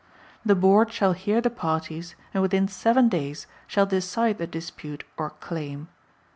The Board shall hear the parties and within seven (7) days shall decide the dispute or claim.